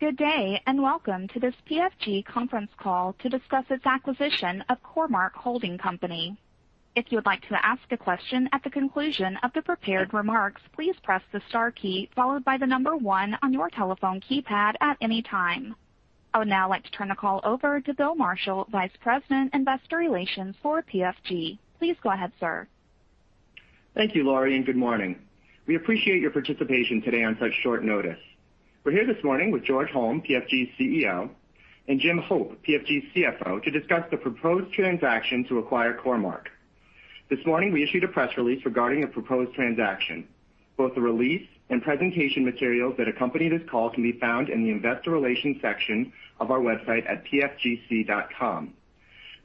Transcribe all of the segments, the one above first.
Good day, welcome to this PFG conference call to discuss its acquisition of Core-Mark Holding Company. If you would like to ask a question at the coclusion of the prepared remarks, please press the star key followes by the number one on your telephone keypad at anytime.I would now like to turn the call over to Bill Marshall, Vice President, Investor Relations for PFG. Please go ahead, sir. Thank you, Laurie, and good morning. We appreciate your participation today on such short notice. We're here this morning with George Holm, PFG's CEO, and Jim Hope, PFG's CFO, to discuss the proposed transaction to acquire Core-Mark. This morning, we issued a press release regarding a proposed transaction. Both the release and presentation materials that accompany this call can be found in the investor relations section of our website at pfgc.com.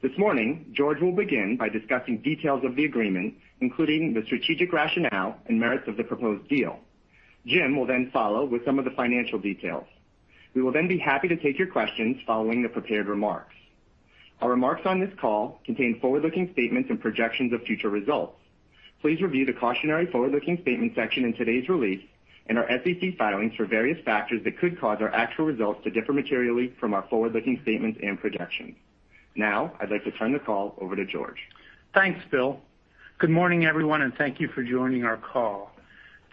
This morning, George will begin by discussing details of the agreement, including the strategic rationale and merits of the proposed deal. Jim will follow with some of the financial details. We will be happy to take your questions following the prepared remarks. Our remarks on this call contain forward-looking statements and projections of future results. Please review the Cautionary Forward-Looking Statements section in today's release and our SEC filings for various factors that could cause our actual results to differ materially from our forward-looking statements and projections. I'd like to turn the call over to George. Thanks, Bill. Good morning, everyone. Thank you for joining our call.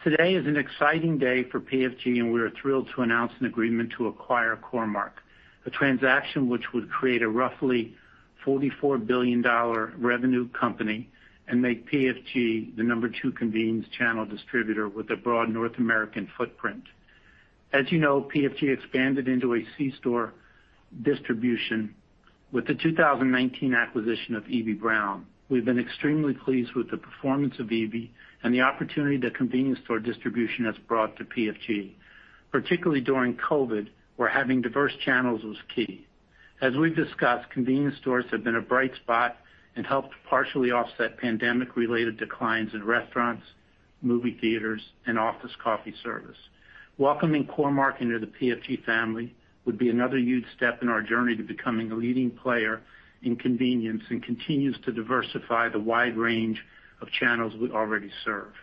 Today is an exciting day for PFG. We are thrilled to announce an agreement to acquire Core-Mark, a transaction which would create a roughly $44 billion revenue company and make PFG the number two convenience channel distributor with a broad North American footprint. As you know, PFG expanded into a C-store distribution with the 2019 acquisition of Eby-Brown. We've been extremely pleased with the performance of Eby and the opportunity that convenience store distribution has brought to PFG, particularly during COVID, where having diverse channels was key. As we've discussed, convenience stores have been a bright spot and helped partially offset pandemic-related declines in restaurants, movie theaters, and office coffee service. Welcoming Core-Mark into the PFG family would be another huge step in our journey to becoming a leading player in convenience and continues to diversify the wide range of channels we already serve.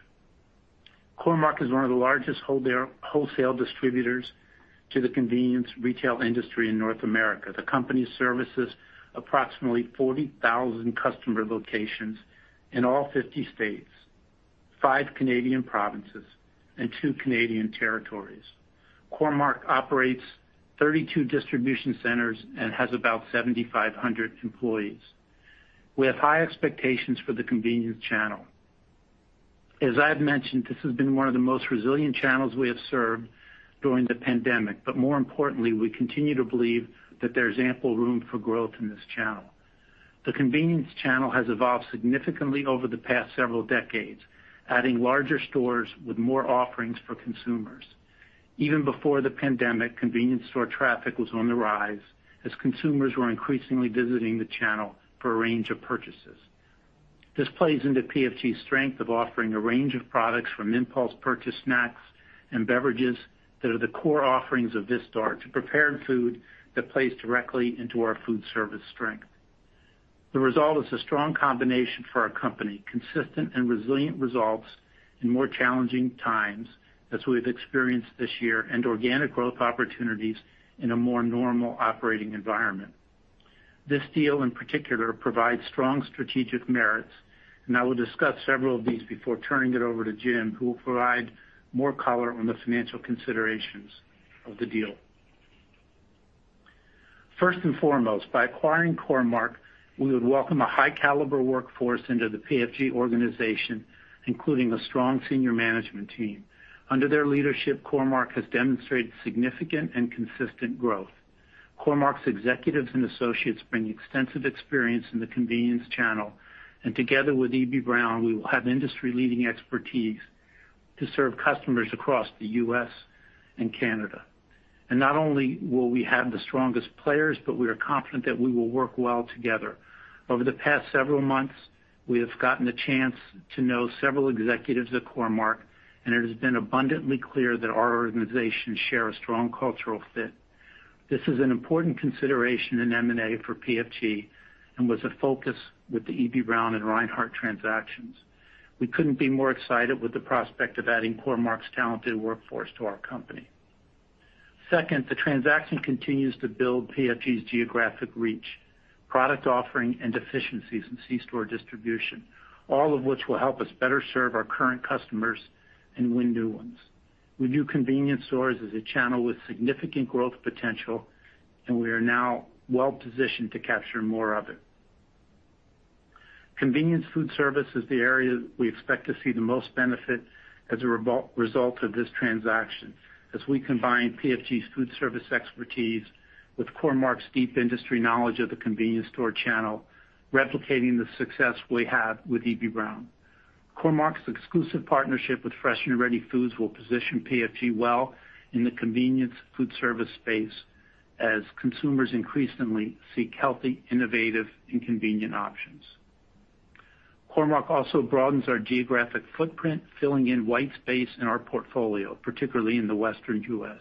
Core-Mark is one of the largest wholesale distributors to the convenience retail industry in North America. The company services approximately 40,000 customer locations in all 50 states, five Canadian provinces, and two Canadian territories. Core-Mark operates 32 distribution centers and has about 7,500 employees. We have high expectations for the convenience channel. As I've mentioned, this has been one of the most resilient channels we have served during the pandemic. More importantly, we continue to believe that there's ample room for growth in this channel. The convenience channel has evolved significantly over the past several decades, adding larger stores with more offerings for consumers. Even before the pandemic, convenience store traffic was on the rise as consumers were increasingly visiting the channel for a range of purchases. This plays into PFG's strength of offering a range of products from impulse purchase snacks and beverages that are the core offerings of this store to prepared food that plays directly into our foodservice strength. The result is a strong combination for our company, consistent and resilient results in more challenging times as we've experienced this year, and organic growth opportunities in a more normal operating environment. This deal, in particular, provides strong strategic merits, and I will discuss several of these before turning it over to Jim, who will provide more color on the financial considerations of the deal. First and foremost, by acquiring Core-Mark, we would welcome a high-caliber workforce into the PFG organization, including a strong senior management team. Under their leadership, Core-Mark has demonstrated significant and consistent growth. Core-Mark's executives and associates bring extensive experience in the convenience channel, and together with Eby-Brown, we will have industry-leading expertise to serve customers across the U.S. and Canada. Not only will we have the strongest players, but we are confident that we will work well together. Over the past several months, we have gotten the chance to know several executives at Core-Mark, and it has been abundantly clear that our organizations share a strong cultural fit. This is an important consideration in M&A for PFG and was a focus with the Eby-Brown and Reinhart transactions. We couldn't be more excited with the prospect of adding Core-Mark's talented workforce to our company. Second, the transaction continues to build PFG's geographic reach, product offering, and efficiencies in C-store distribution, all of which will help us better serve our current customers and win new ones. We view convenience stores as a channel with significant growth potential, and we are now well-positioned to capture more of it. Convenience food service is the area that we expect to see the most benefit as a result of this transaction as we combine PFG's food service expertise with Core-Mark's deep industry knowledge of the convenience store channel, replicating the success we have with Eby-Brown. Core-Mark's exclusive partnership with Fresh & Ready Foods will position PFG well in the convenience food service space as consumers increasingly seek healthy, innovative, and convenient options. Core-Mark also broadens our geographic footprint, filling in white space in our portfolio, particularly in the Western U.S.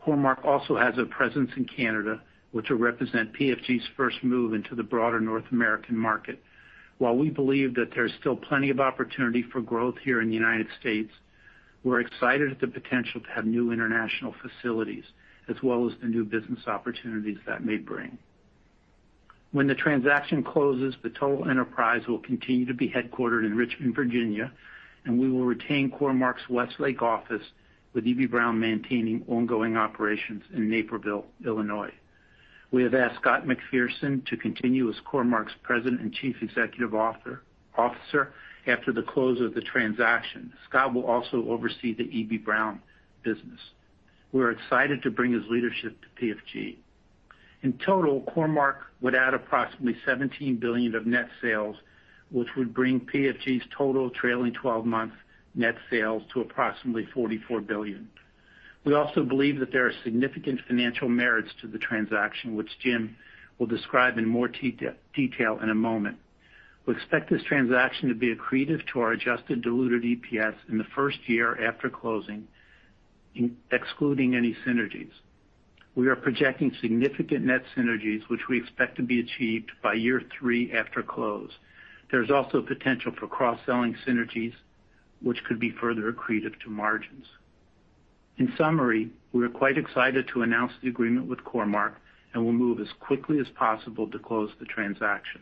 Core-Mark also has a presence in Canada, which will represent PFG's first move into the broader North American market. While we believe that there's still plenty of opportunity for growth here in the United States, we're excited at the potential to have new international facilities as well as the new business opportunities that may bring. When the transaction closes, the total enterprise will continue to be headquartered in Richmond, Virginia, and we will retain Core-Mark's Westlake office with Eby-Brown maintaining ongoing operations in Naperville, Illinois. We have asked Scott McPherson to continue as Core-Mark's President and Chief Executive Officer after the close of the transaction. Scott will also oversee the Eby-Brown business. We're excited to bring his leadership to PFG. In total, Core-Mark would add approximately $17 billion of net sales, which would bring PFG's total trailing 12 months net sales to approximately $44 billion. We also believe that there are significant financial merits to the transaction, which Jim will describe in more detail in a moment. We expect this transaction to be accretive to our adjusted diluted EPS in the first year after closing, excluding any synergies. We are projecting significant net synergies, which we expect to be achieved by year three after close. There's also potential for cross-selling synergies, which could be further accretive to margins. In summary, we are quite excited to announce the agreement with Core-Mark, and will move as quickly as possible to close the transaction.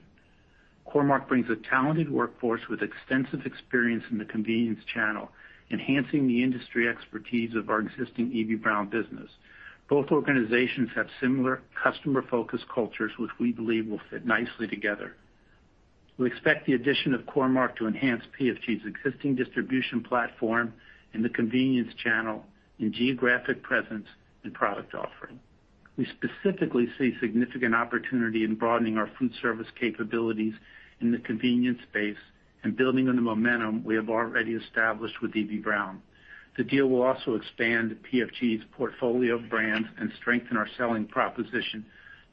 Core-Mark brings a talented workforce with extensive experience in the convenience channel, enhancing the industry expertise of our existing Eby-Brown business. Both organizations have similar customer-focused cultures, which we believe will fit nicely together. We expect the addition of Core-Mark to enhance PFG's existing distribution platform in the convenience channel, in geographic presence, and product offering. We specifically see significant opportunity in broadening our foodservice capabilities in the convenience space and building on the momentum we have already established with Eby-Brown. The deal will also expand PFG's portfolio of brands and strengthen our selling proposition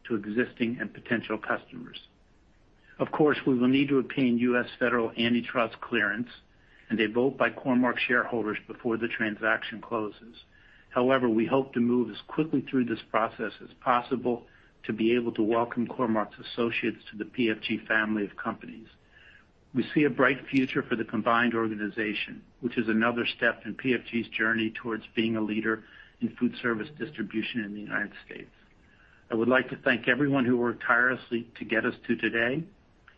to existing and potential customers. Of course, we will need to obtain U.S. federal antitrust clearance and a vote by Core-Mark shareholders before the transaction closes. However, we hope to move as quickly through this process as possible to be able to welcome Core-Mark's associates to the PFG family of companies. We see a bright future for the combined organization, which is another step in PFG's journey towards being a leader in foodservice distribution in the United States. I would like to thank everyone who worked tirelessly to get us to today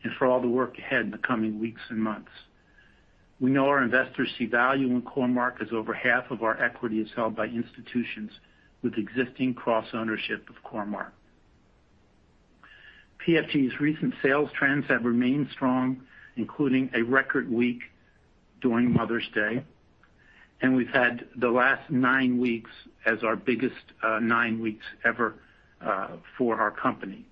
and for all the work ahead in the coming weeks and months. We know our investors see value in Core-Mark as over half of our equity is held by institutions with existing cross-ownership of Core-Mark. PFG's recent sales trends have remained strong, including a record week during Mother's Day, and we've had the last nine weeks as our biggest nine weeks ever for our company.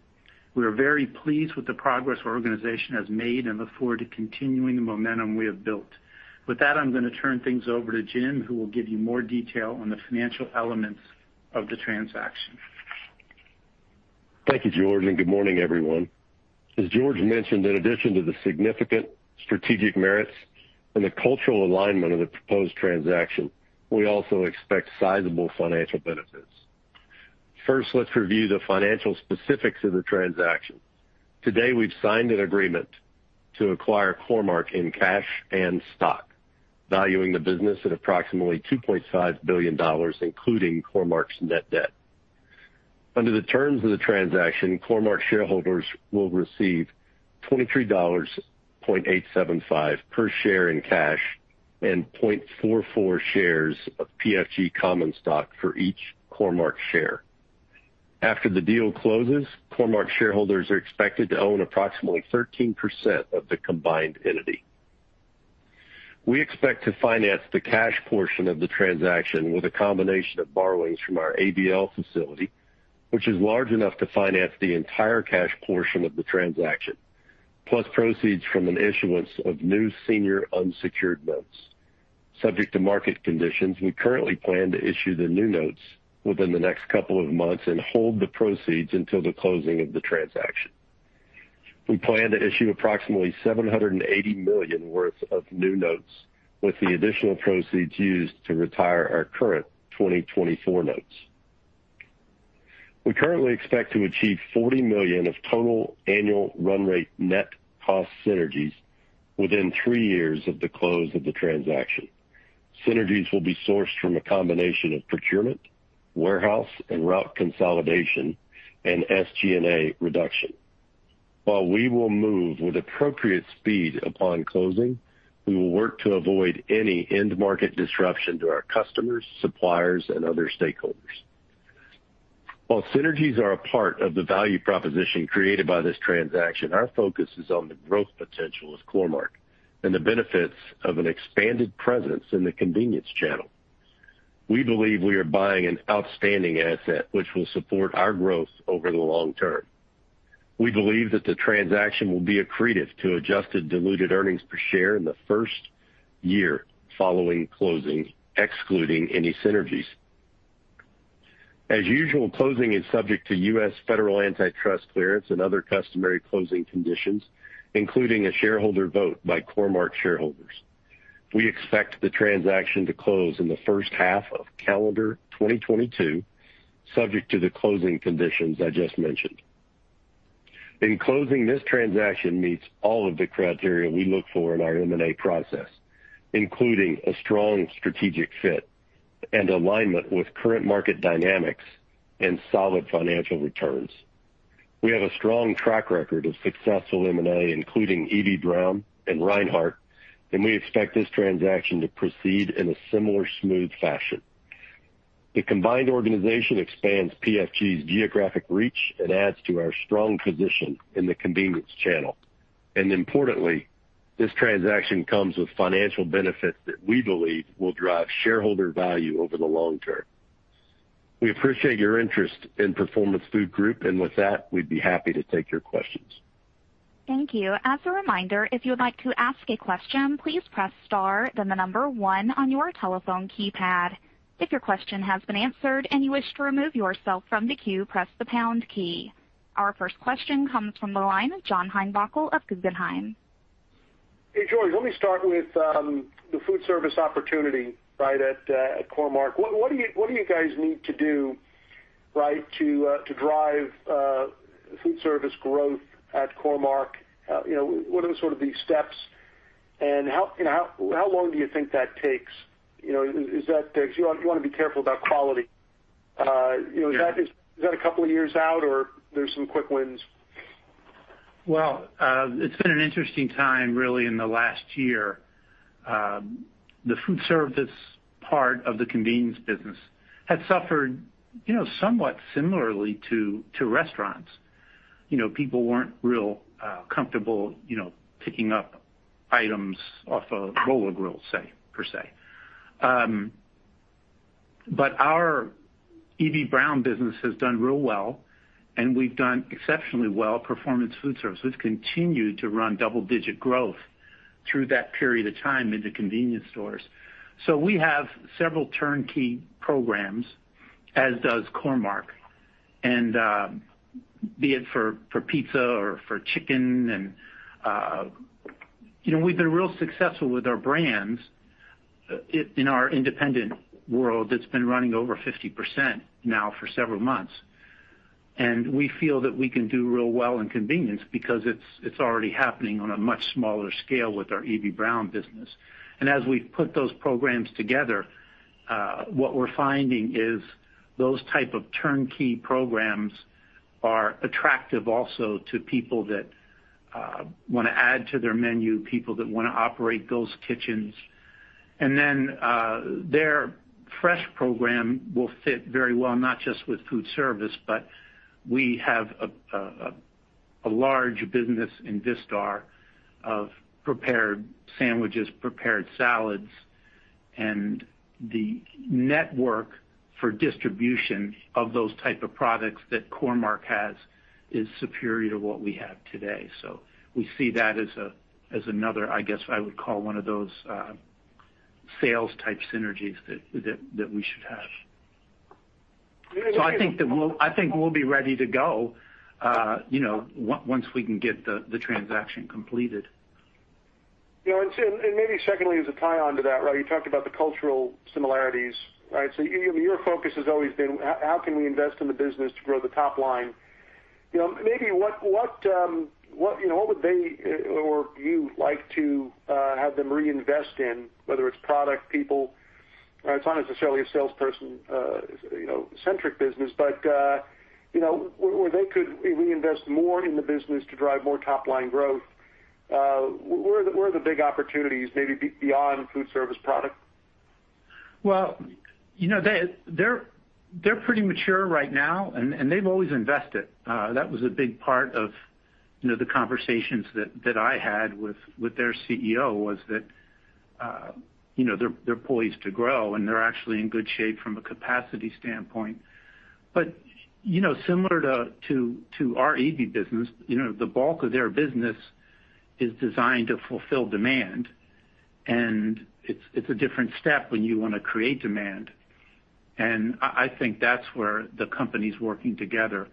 We are very pleased with the progress our organization has made and look forward to continuing the momentum we have built. With that, I'm going to turn things over to Jim, who will give you more detail on the financial elements of the transaction. Thank you, George, and good morning, everyone. As George mentioned, in addition to the significant strategic merits and the cultural alignment of the proposed transaction, we also expect sizable financial benefits. Let's review the financial specifics of the transaction. Today, we've signed an agreement to acquire Core-Mark in cash and stock, valuing the business at approximately $2.5 billion, including Core-Mark's net debt. Under the terms of the transaction, Core-Mark shareholders will receive $23.875 per share in cash and 0.44 shares of PFG common stock for each Core-Mark share. After the deal closes, Core-Mark shareholders are expected to own approximately 13% of the combined entity. We expect to finance the cash portion of the transaction with a combination of borrowings from our ABL facility, which is large enough to finance the entire cash portion of the transaction, plus proceeds from an issuance of new senior unsecured notes. Subject to market conditions, we currently plan to issue the new notes within the next couple of months and hold the proceeds until the closing of the transaction. We plan to issue approximately $780 million worth of new notes, with the additional proceeds used to retire our current 2024 notes. We currently expect to achieve $40 million of total annual run rate net cost synergies within three years of the close of the transaction. Synergies will be sourced from a combination of procurement, warehouse, and route consolidation, and SG&A reduction. While we will move with appropriate speed upon closing, we will work to avoid any end-market disruption to our customers, suppliers, and other stakeholders. While synergies are a part of the value proposition created by this transaction, our focus is on the growth potential of Core-Mark and the benefits of an expanded presence in the convenience channel. We believe we are buying an outstanding asset, which will support our growth over the long term. We believe that the transaction will be accretive to adjusted diluted earnings per share in the first year following closing, excluding any synergies. As usual, closing is subject to U.S. federal antitrust clearance and other customary closing conditions, including a shareholder vote by Core-Mark shareholders. We expect the transaction to close in the first half of calendar 2022, subject to the closing conditions I just mentioned. In closing, this transaction meets all of the criteria we look for in our M&A process, including a strong strategic fit and alignment with current market dynamics and solid financial returns. We have a strong track record of successful M&A, including Eby-Brown and Reinhart, and we expect this transaction to proceed in a similar smooth fashion. The combined organization expands PFG's geographic reach and adds to our strong position in the convenience channel. Importantly, this transaction comes with financial benefits that we believe will drive shareholder value over the long term. We appreciate your interest in Performance Food Group, and with that, we'd be happy to take your questions. Thank you. As a reminder, if you'd like to ask a question, please press star then the number one on your telephone keypad. If your question has been answered and you wish to remove yourself from the queue, press the pound key. Our first question comes from the line of John Heinbockel of Guggenheim. Hey, George, let me start with the food service opportunity at Core-Mark. What do you guys need to do to drive food service growth at Core-Mark? What are some of the steps, and how long do you think that takes? You want to be careful about quality. Is that a couple of years out or there's some quick wins? Well, it's been an interesting time really in the last year. The foodservice part of the convenience business had suffered somewhat similarly to restaurants. People weren't real comfortable picking up items off a roller grill, per se. Our Eby-Brown business has done real well, and we've done exceptionally well. Performance Foodservice continued to run double-digit growth through that period of time in the convenience stores. We have several turnkey programs, as does Core-Mark, and be it for pizza or for chicken. We've been real successful with our brands in our independent world. It's been running over 50% now for several months. We feel that we can do real well in convenience because it's already happening on a much smaller scale with our Eby-Brown business. As we put those programs together, what we're finding is those type of turnkey programs are attractive also to people that want to add to their menu, people that want to operate those kitchens. Their fresh program will fit very well, not just with foodservice, but we have a large business in Vistar of prepared sandwiches, prepared salads, and the network for distribution of those type of products that Core-Mark has is superior to what we have today. We see that as another, I guess I would call one of those sales type synergies that we should have. I think we'll be ready to go once we can get the transaction completed. Maybe secondly, as a tie on to that. You talked about the cultural similarities. Your focus has always been how can we invest in the business to grow the top line? Maybe what would they or you like to have them reinvest in, whether it's product, people. It's obviously a salesperson centric business, but where they could reinvest more in the business to drive more top line growth. Where are the big opportunities maybe beyond foodservice product? Well, they're pretty mature right now, and they've always invested. That was a big part of the conversations that I had with their CEO was that they're poised to grow, and they're actually in good shape from a capacity standpoint. Similar to our Eby business, the bulk of their business is designed to fulfill demand. It's a different step when you want to create demand. I think that's where the company's working together,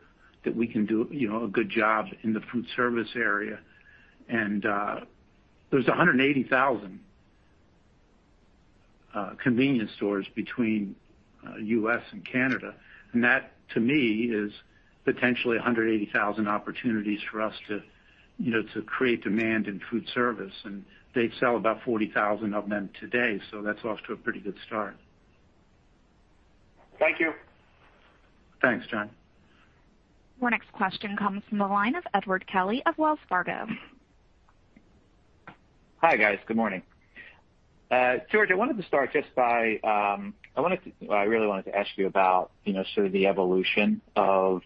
that we can do a good job in the food service area. There's 180,000 convenience stores between U.S. and Canada. That, to me, is potentially 180,000 opportunities for us to create demand in food service. They sell about 40,000 of them today, that's off to a pretty good start. Thank you. Thanks, John. Our next question comes from the line of Edward Kelly of Wells Fargo. Hi, guys. Good morning. George, I wanted to start just by, I really wanted to ask you about sort of the evolution of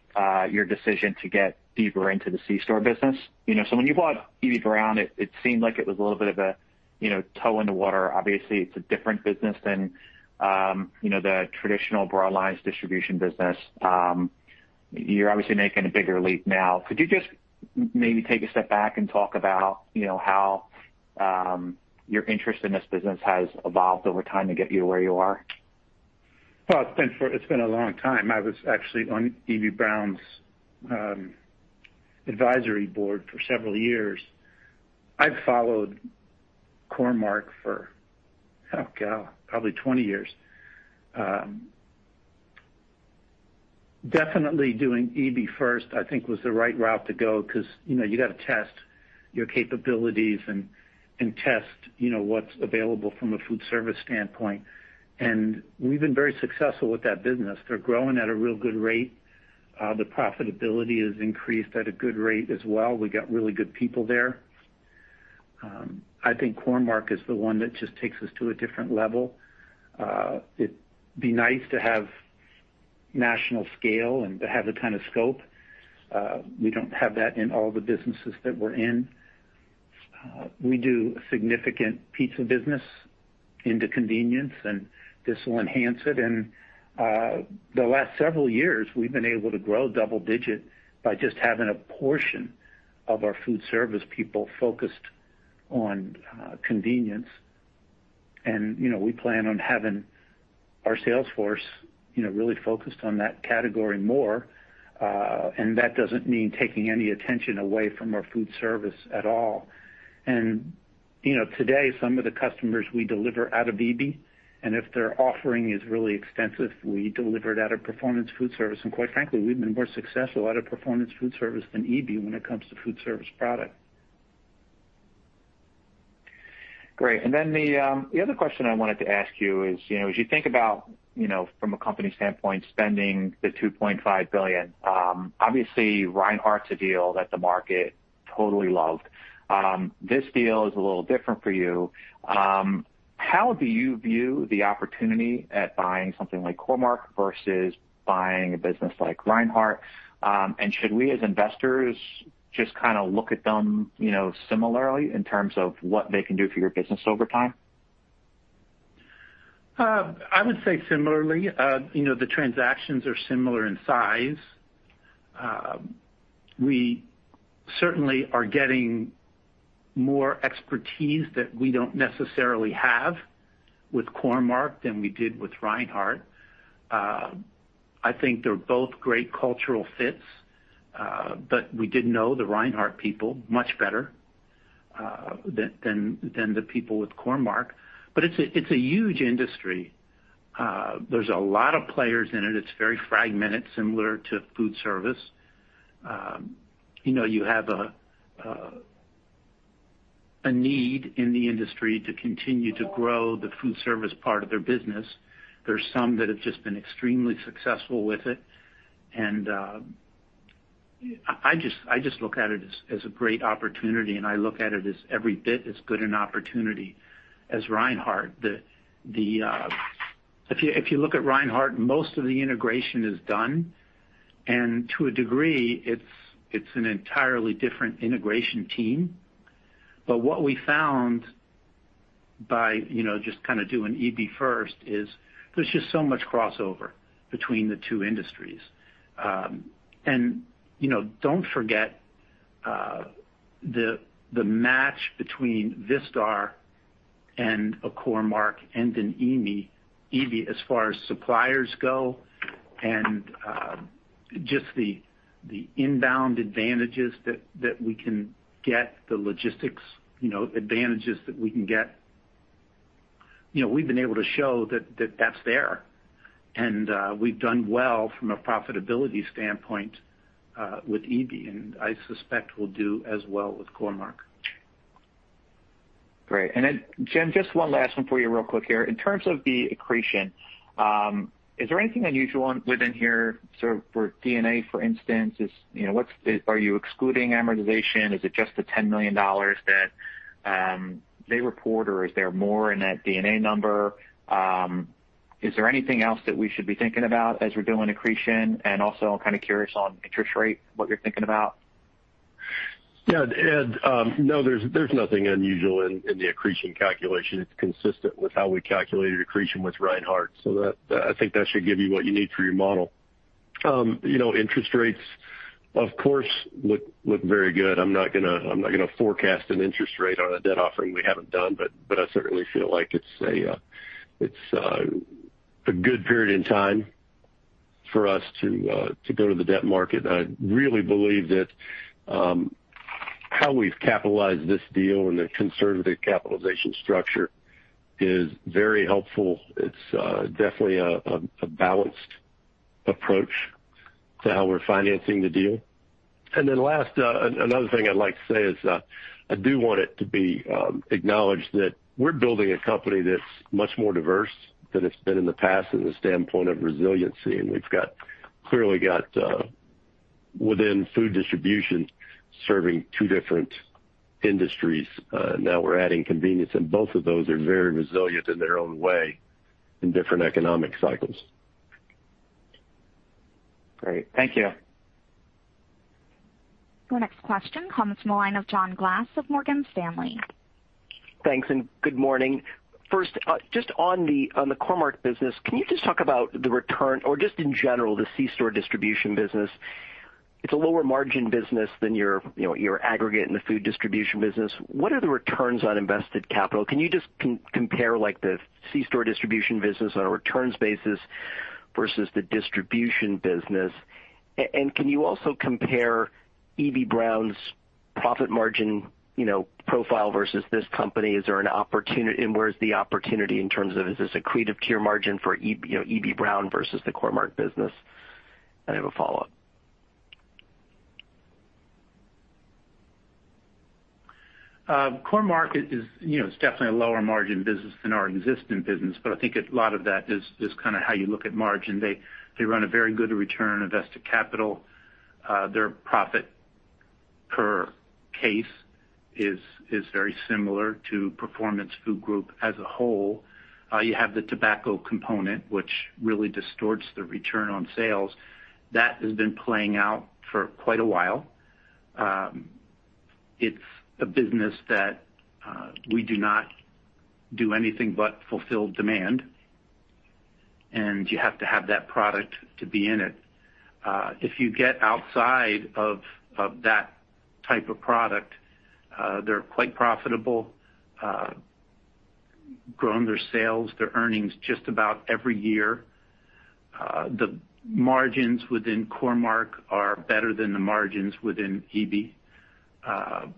your decision to get deeper into the C-store business. When you bought Eby-Brown, it seemed like it was a little bit of a toe in the water. Obviously, it's a different business than the traditional broadlines distribution business. You're obviously making a bigger leap now. Could you just maybe take a step back and talk about how your interest in this business has evolved over time to get you where you are? Well, it's been a long time. I was actually on Eby-Brown's advisory board for several years. I've followed Core-Mark for, hell, probably 20 years. Okay. Definitely doing Eby first, I think, was the right route to go because you got to test your capabilities and test what's available from a foodservice standpoint. We've been very successful with that business. They're growing at a real good rate. The profitability has increased at a good rate as well. We got really good people there. I think Core-Mark is the one that just takes us to a different level. It'd be nice to have national scale and to have the kind of scope. We don't have that in all the businesses that we're in. We do a significant pizza business into convenience, and this will enhance it. The last several years, we've been able to grow double-digit by just having a portion of our foodservice people focused on convenience. We plan on having our sales force really focused on that category more. That doesn't mean taking any attention away from our foodservice at all. Today, some of the customers we deliver out of Eby, and if their offering is really extensive, we deliver it out of Performance Foodservice. Quite frankly, we've been more successful out of Performance Foodservice than Eby when it comes to foodservice product. Great. The other question I wanted to ask you is, as you think about from a company standpoint, spending the $2.5 billion, obviously Reinhart's a deal that the market totally loved. This deal is a little different for you. How do you view the opportunity at buying something like Core-Mark versus buying a business like Reinhart? Should we, as investors, just look at them similarly in terms of what they can do for your business over time? I would say similarly. The transactions are similar in size. We certainly are getting more expertise that we don't necessarily have with Core-Mark than we did with Reinhart. I think they're both great cultural fits. We did know the Reinhart people much better than the people with Core-Mark. It's a huge industry. There's a lot of players in it. It's very fragmented, similar to food service. You have a need in the industry to continue to grow the food service part of their business. There's some that have just been extremely successful with it. I just look at it as a great opportunity, and I look at it as every bit as good an opportunity as Reinhart. If you look at Reinhart, most of the integration is done, and to a degree, it's an entirely different integration team. What we found by just doing Eby first is there's just so much crossover between the two industries. Don't forget, the match between Vistar and a Core-Mark and an Eby, as far as suppliers go, and just the inbound advantages that we can get, the logistics advantages that we can get, we've been able to show that that's there. We've done well from a profitability standpoint with Eby, and I suspect we'll do as well with Core-Mark. Great. Jim, just one last one for you real quick here. In terms of the accretion, is there anything unusual within here? For D&A, for instance, are you excluding amortization? Is it just the $10 million that they report, or is there more in that D&A number? Is there anything else that we should be thinking about as we're doing accretion? Also I'm curious on interest rate, what you're thinking about. Yeah. No, there's nothing unusual in the accretion calculation. It's consistent with how we calculated accretion with Reinhart. I think that should give you what you need for your model. Interest rates, of course, look very good. I'm not going to forecast an interest rate on a debt offering we haven't done, but I certainly feel like it's a good period in time for us to go to the debt market. I really believe that how we've capitalized this deal and the conservative capitalization structure is very helpful. It's definitely a balanced approach to how we're financing the deal. Last, another thing I'd like to say is I do want it to be acknowledged that we're building a company that's much more diverse than it's been in the past from the standpoint of resiliency. We've clearly got within food distribution serving two different industries. Now we're adding convenience, and both of those are very resilient in their own way in different economic cycles. Great. Thank you. Your next question comes from the line of John Glass with Morgan Stanley. Thanks, and good morning. First, just on the Core-Mark business, can you just talk about the return or just in general, the C-store distribution business. It's a lower margin business than your aggregate in the food distribution business. What are the returns on invested capital? Can you just compare the C-store distribution business on a returns basis versus the distribution business? Can you also compare Eby-Brown's profit margin profile versus this company? Is there an opportunity, and where is the opportunity in terms of is this accretive to your margin for Eby-Brown versus the Core-Mark business? I have a follow-up. Core-Mark is definitely a lower margin business than our existing business, but I think a lot of that is just how you look at margin. They run a very good return on invested capital. Their profit per case is very similar to Performance Food Group as a whole. You have the tobacco component, which really distorts the return on sales. That has been playing out for quite a while. It's a business that we do not do anything but fulfill demand, and you have to have that product to be in it. If you get outside of that type of product, they're quite profitable, grown their sales, their earnings just about every year. The margins within Core-Mark are better than the margins within Eby-Brown.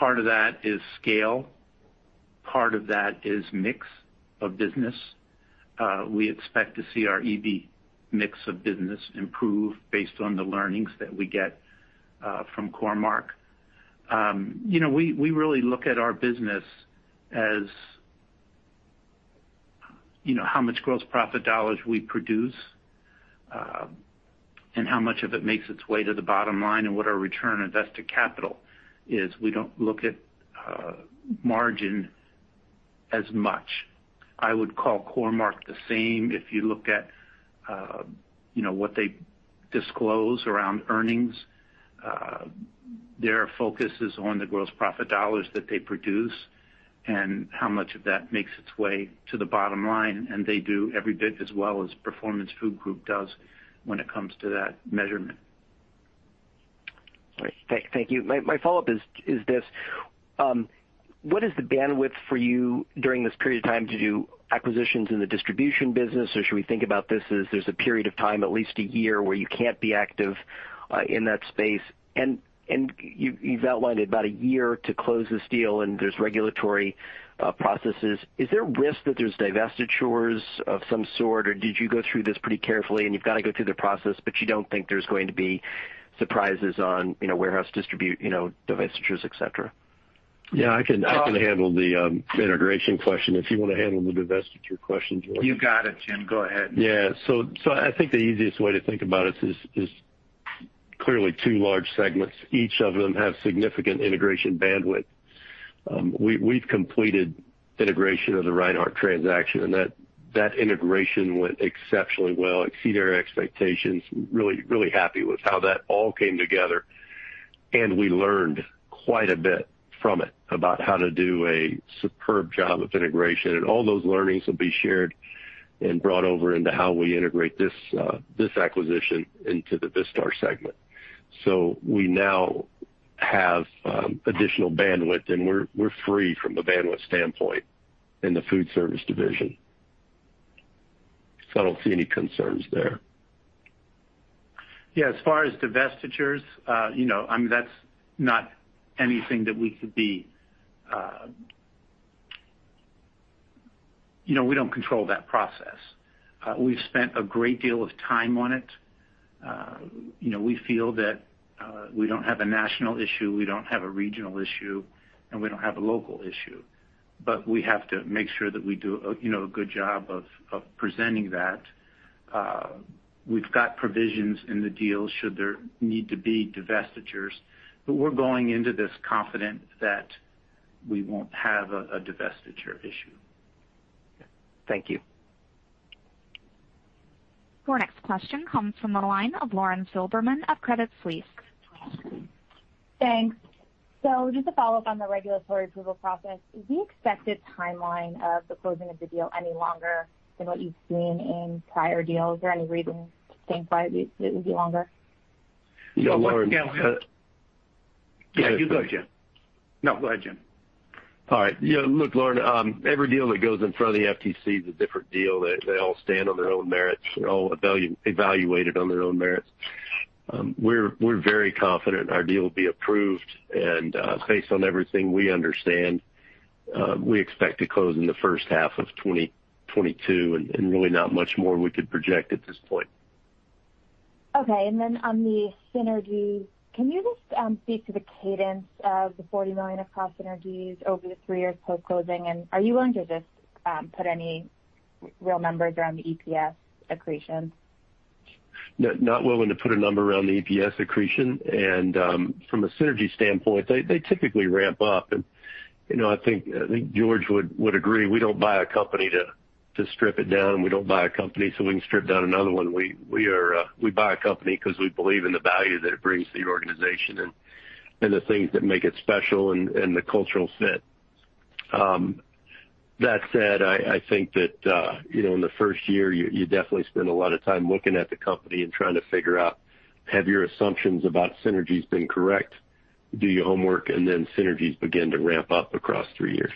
Part of that is scale. Part of that is mix of business. We expect to see our Eby mix of business improve based on the learnings that we get from Core-Mark. We really look at our business as how much gross profit dollars we produce and how much of it makes its way to the bottom line and what our return on invested capital is. We don't look at margin as much. I would call Core-Mark the same. If you look at what they disclose around earnings, their focus is on the gross profit dollars that they produce and how much of that makes its way to the bottom line. And they do every bit as well as Performance Food Group does when it comes to that measurement. Thank you. My follow-up is this: What is the bandwidth for you during this period of time to do acquisitions in the distribution business? Should we think about this as there's a period of time, at least a year, where you can't be active in that space. You've outlined about a year to close this deal and there's regulatory processes. Is there risk that there's divestitures of some sort? Did you go through this pretty carefully and you've got to go through the process, but you don't think there's going to be surprises on warehouse distribution, divestitures, et cetera? Yeah, I can handle the integration question. If you want to handle the divestiture question, George. You got it, Jim. Go ahead. Yeah. I think the easiest way to think about it is clearly two large segments. Each of them have significant integration bandwidth. We've completed integration of the Reinhart transaction, and that integration went exceptionally well, exceeded our expectations. Really, really happy with how that all came together, and we learned quite a bit from it about how to do a superb job of integration. All those learnings will be shared and brought over into how we integrate this acquisition into the Vistar segment. We now have additional bandwidth, and we're free from the bandwidth standpoint in the foodservice division. I don't see any concerns there. Yeah, as far as divestitures, that's not anything. We don't control that process. We've spent a great deal of time on it. We feel that we don't have a national issue, we don't have a regional issue, and we don't have a local issue. We have to make sure that we do a good job of presenting that. We've got provisions in the deal should there need to be divestitures. We're going into this confident that we won't have a divestiture issue. Thank you. Our next question comes from the line of Lauren Silberman of Credit Suisse. Thanks. Just a follow-up on the regulatory approval process. Is the expected timeline of the closing of the deal any longer than what you've seen in prior deals? Any reason to think why it would be longer? Yeah, Lauren. Yeah, you go ahead, Jim. No, go ahead, Jim. All right. Look, Lauren, every deal that goes in front of the FTC is a different deal. They all stand on their own merits. They're all evaluated on their own merits. We're very confident our deal will be approved, and based on everything we understand, we expect to close in the first half of 2022 and really not much more we could project at this point. Okay. On the synergy, can you just speak to the cadence of the $40 million of cost synergies over the three years post-closing? Are you willing to just put any real numbers around the EPS accretion? Not willing to put a number around the EPS accretion. From a synergy standpoint, they typically ramp up. I think George would agree, we don't buy a company to strip it down. We don't buy a company so we can strip down another one. We buy a company because we believe in the value that it brings to the organization and the things that make it special and the cultural fit. That said, I think that in the first year, you definitely spend a lot of time looking at the company and trying to figure out have your assumptions about synergies been correct, do your homework, and then synergies begin to ramp up across three years.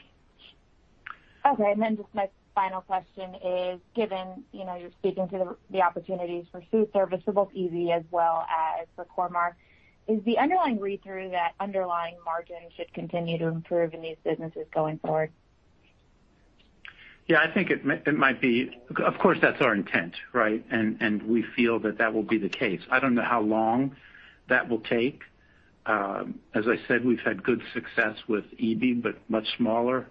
Okay. Just my final question is given you're speaking to the opportunities for foodservice, both Eby as well as for Core-Mark, is the underlying reason that underlying margins should continue to improve in these businesses going forward? Yeah, I think it might be. Of course, that's our intent, right? We feel that that will be the case. I don't know how long that will take. As I said, we've had good success with Eby, but much smaller,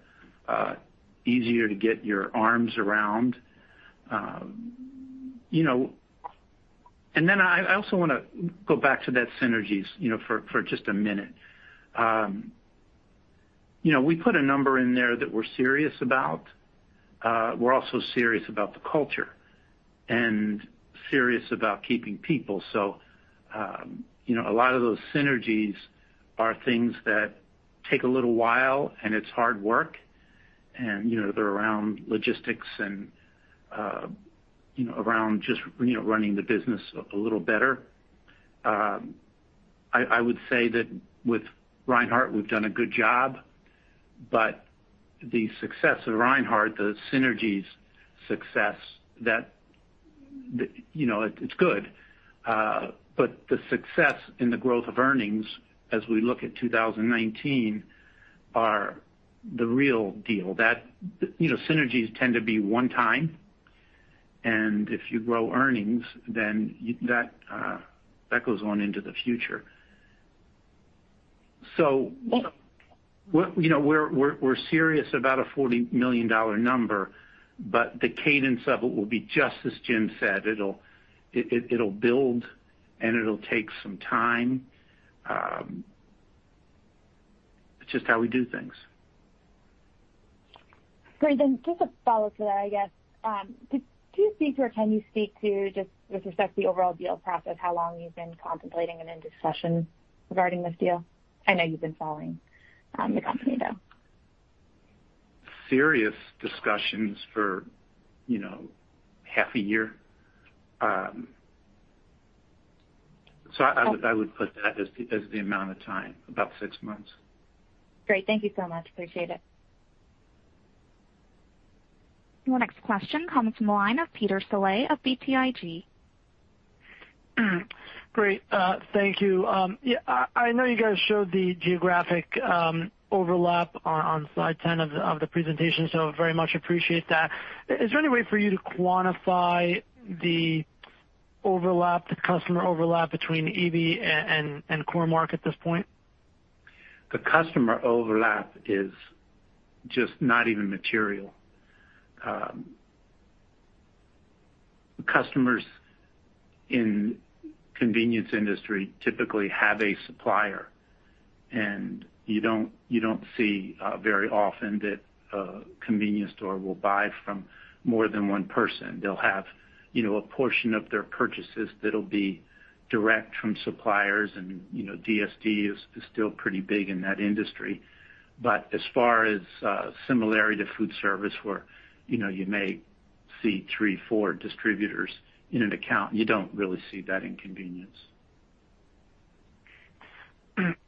easier to get your arms around. Then I also want to go back to that synergies for just a minute. We put a number in there that we're serious about. We're also serious about the culture and serious about keeping people. A lot of those synergies are things that take a little while, and it's hard work, and they're around logistics and around just running the business a little better. I would say that with Reinhart, we've done a good job. The success of Reinhart, the synergies success, it's good. The success in the growth of earnings as we look at 2019 are the real deal. Synergies tend to be one time, and if you grow earnings, then that goes on into the future. We're serious about a $40 million number, but the cadence of it will be just as Jim said. It'll build, and it'll take some time. It's just how we do things. Great. Just a follow to that, I guess. Can you speak to, just with respect to the overall deal path of how long you've been contemplating it in discussions regarding this deal? I know you've been following your company, though. Serious discussions for half a year. I would put that as the amount of time, about six months. Great. Thank you so much. Appreciate it. Your next question comes from the line of Peter Saleh of BTIG. Great. Thank you. I know you guys showed the geographic overlap on slide 10 of the presentation, very much appreciate that. Is there any way for you to quantify the customer overlap between Eby and Core-Mark at this point? The customer overlap is just not even material. Customers in convenience industry typically have a supplier, and you don't see very often that a convenience store will buy from more than one person. They'll have a portion of their purchases that'll be direct from suppliers and DSD is still pretty big in that industry. But as far as similarity to foodservice where you may see three, four distributors in an account, you don't really see that in convenience.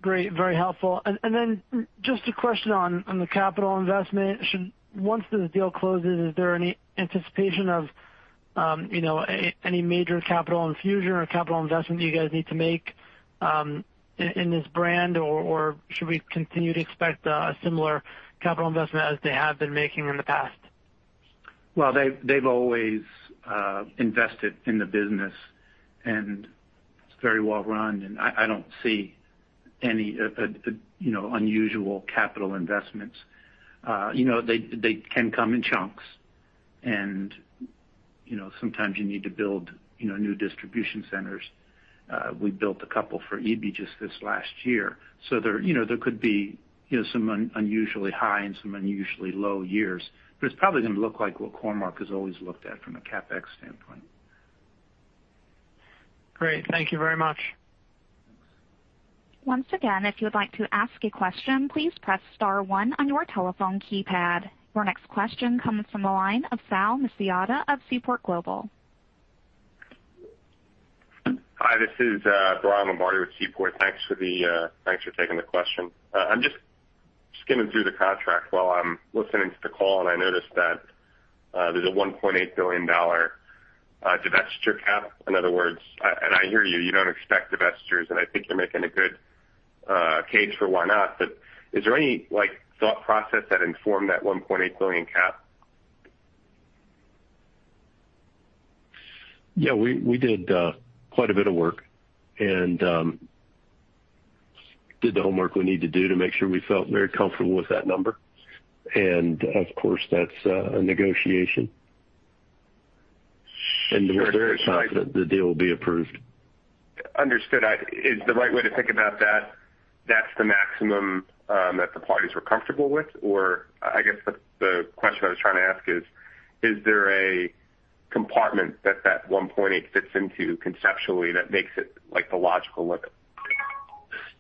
Great. Very helpful. Just a question on the capital investment. Once this deal closes, is there any anticipation of any major capital infusion or capital investment you guys need to make in this brand or should we continue to expect a similar capital investment as they have been making over the past? Well, they've always invested in the business, and it's very well run, and I don't see any unusual capital investments. They can come in chunks and sometimes you need to build new distribution centers. We built a couple for Eby-Brown just this last year. There could be some unusually high and some unusually low years, but it's probably going to look like what Core-Mark has always looked at from a CapEx standpoint. Great. Thank you very much. Once again, if you'd like to ask a question, please press star one on your telephone keypad. Your next question comes from the line of Sal Miciotta of Seaport Global. Hi, this is Sal Miciotta with Seaport. Thanks for taking the question. I'm just skimming through the contract while I'm listening to the call, and I noticed that there's a $1.8 billion divestiture cap. In other words, and I hear you don't expect divestitures, and I think you're making a good case for why not. Is there any thought process that informed that $1.8 billion cap? Yeah, we did quite a bit of work and did the homework we need to do to make sure we felt very comfortable with that number, and of course, that's a negotiation and we're very confident the deal will be approved. Understood. Is the right way to think about that's the maximum that the parties were comfortable with? I guess the question I was trying to ask is there a compartment that that $1.8 fits into conceptually that makes it a logical limit?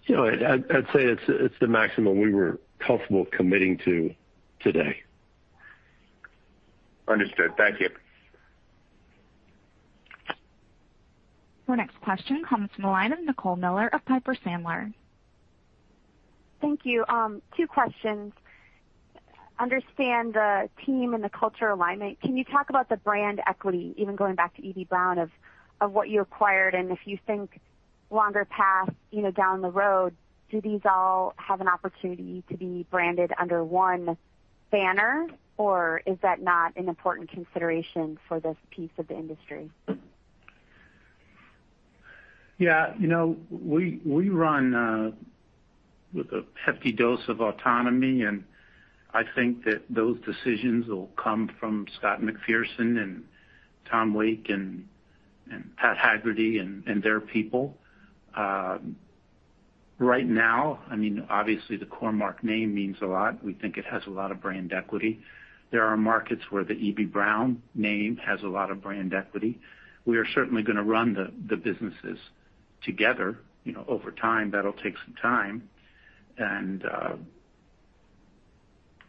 I'd say it's the maximum we were comfortable committing to today. Understood. Thank you. Our next question comes from the line of Nicole Miller of Piper Sandler. Thank you. Two questions. Understand the team and the culture alignment. Can you talk about the brand equity, even going back to Eby-Brown, of what you acquired, and if you think longer path down the road, do these all have an opportunity to be branded under one banner, or is that not an important consideration for this piece of the industry? Yeah. We run with a hefty dose of autonomy, and I think that those decisions will come from Scott McPherson and Tom Leake and Pat Hagerty and their people. Right now, obviously the Core-Mark name means a lot. We think it has a lot of brand equity. There are markets where the Eby-Brown name has a lot of brand equity. We are certainly going to run the businesses together over time. That'll take some time, and I'm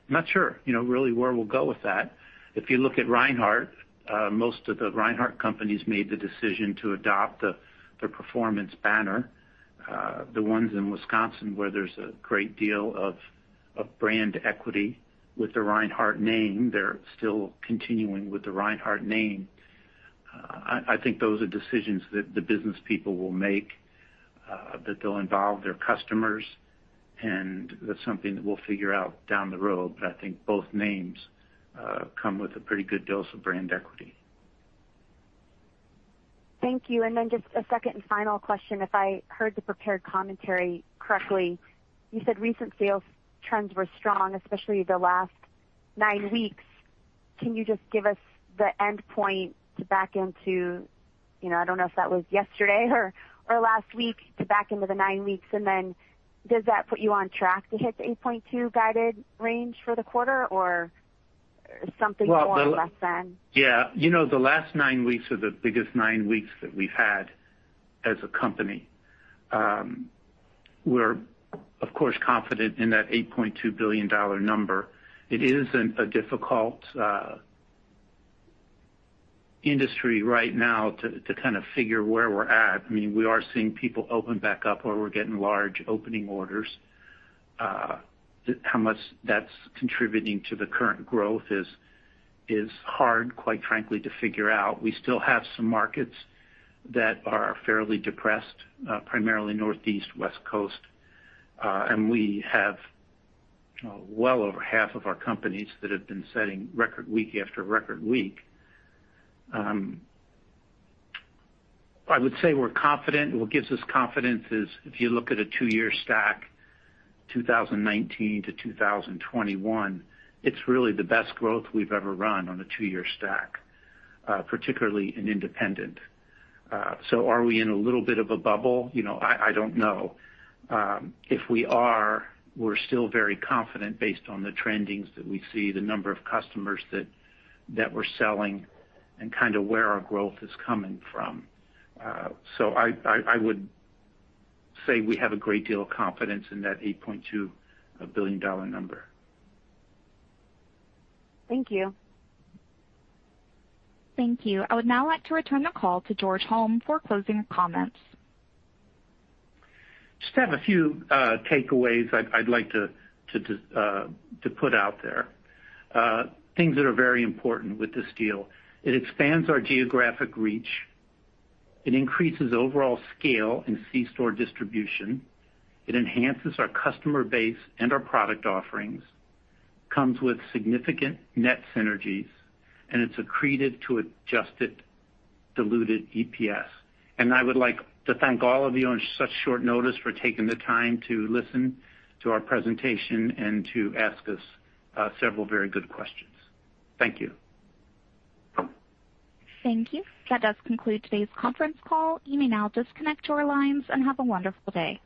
not sure really where we'll go with that. If you look at Reinhart, most of the Reinhart companies made the decision to adopt the Performance banner. The ones in Wisconsin where there's a great deal of brand equity with the Reinhart name, they're still continuing with the Reinhart name. I think those are decisions that the business people will make, that they'll involve their customers, and that's something that we'll figure out down the road. I think both names come with a pretty good dose of brand equity. Thank you. Just a second and final question. If I heard the prepared commentary correctly, you said recent sales trends were strong, especially the last nine weeks. Can you just give us the endpoint back into, I don't know if that was yesterday or last week, but back into the nine weeks, and then does that put you on track to hit 8.2 guided range for the quarter or something more or less than? Yeah. The last nine weeks are the biggest nine weeks that we've had as a company. We're, of course, confident in that $8.2 billion number. It is a difficult industry right now to kind of figure where we're at. We are seeing people open back up or we're getting large opening orders. How much that's contributing to the current growth is hard, quite frankly, to figure out. We still have some markets that are fairly depressed, primarily Northeast, West Coast. We have well over half of our companies that have been setting record week after record week. I would say we're confident. What gives us confidence is if you look at a two-year stack, 2019-2021, it's really the best growth we've ever run on a two-year stack, particularly in independent. Are we in a little bit of a bubble? I don't know. If we are, we're still very confident based on the trendings that we see, the number of customers that we're selling, and kind of where our growth is coming from. I would say we have a great deal of confidence in that $8.2 billion number. Thank you. Thank you. I would now like to return the call to George Holm for closing comments. Just have a few takeaways I'd like to put out there. Things that are very important with this deal. It expands our geographic reach. It increases overall scale and C-store distribution. It enhances our customer base and our product offerings, comes with significant net synergies, and it's accretive to adjusted diluted EPS. I would like to thank all of you on such short notice for taking the time to listen to our presentation and to ask us several very good questions. Thank you. Thank you. That does conclude today's conference call. You may now disconnect your lines and have a wonderful day.